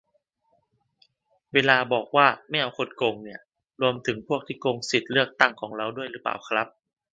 เวลาบอกว่า "ไม่เอาคนโกง" เนี่ย รวมถึงพวกที่โกงสิทธิเลือกตั้งของเราด้วยรึเปล่าครับ ?